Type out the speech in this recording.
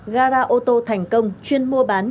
gara ô tô thành công chuyên mua bán